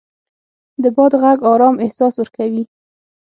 د باد غږ ارام احساس ورکوي